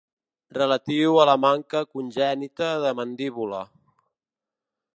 Relatiu a la manca congènita de mandíbula.